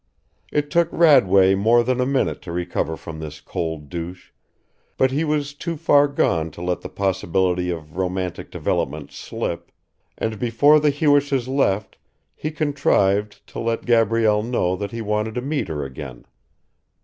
It took Radway more than a minute to recover from this cold douche; but he was too far gone to let the possibility of romantic developments slip, and before the Hewishes left, he contrived to let Gabrielle know that he wanted to meet her again.